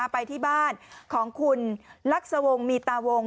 ไปที่บ้านของคุณลักษวงศ์มีตาวง